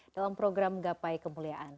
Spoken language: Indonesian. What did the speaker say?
dalam program gapai kemuliaan